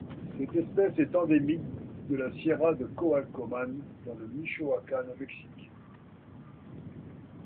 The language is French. Cette espèce est endémique de la Sierra de Coalcomán dans le Michoacán au Mexique.